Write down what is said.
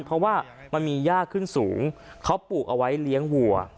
เพราะว่ามันมียากขึ้นสูงเขาปลูกเอาไว้เลี้ยงวัว